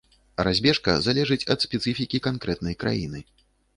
Разбежка залежыць ад спецыфікі канкрэтнай краіны.